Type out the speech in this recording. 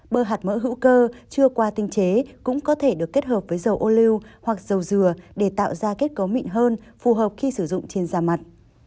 bơ hạt mỡ hữu cơ chưa qua tinh chế cũng có thể được kết hợp với dầu ô lưu hoặc dầu dừa để tạo ra kết cấu mịn hơn phù hợp khi sử dụng trên da mặt